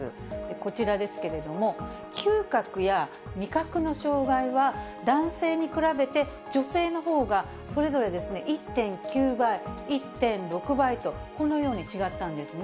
こちらですけれども、嗅覚や味覚の障害は、男性に比べて、女性のほうが、それぞれ１．９倍、１．６倍と、このように違ったんですね。